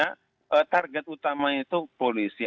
kesungguhnya target utama itu polisi